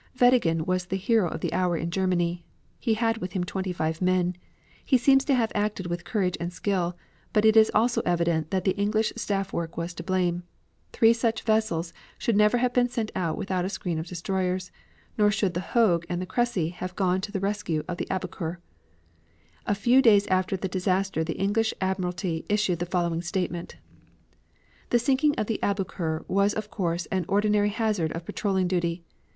Weddigen was the hero of the hour in Germany. He had with him twenty five men. He seems to have acted with courage and skill, but it is also evident that the English staff work was to blame. Three such vessels should never have been sent out without a screen of destroyers, nor should the Hogue and the Cressy have gone to the rescue of the Aboukir. A few days after the disaster the English Admiralty issued the following statement: The sinking of the Aboukir was of course an ordinary hazard of patrolling duty.